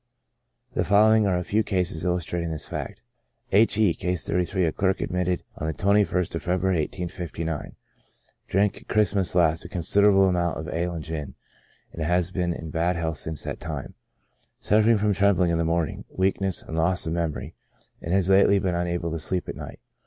The follow ing are a few cases illustrating this fact. H. E —, (Case 33,) a clerk, admitted on the 21st of Feb ruary, 1859, <ir^i^^ ^^ Christmas last a considerable amount of ale and gin, and has been in bad health since that time ; suffering from trembling in the morning, weakness, and loss of memory, and has lately been unable to sleep at night.